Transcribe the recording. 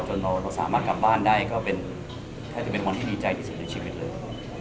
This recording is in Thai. เราสามารถกลับบ้านได้ก็แทบจะเป็นวันที่ดีใจที่สุดในชีวิตเลย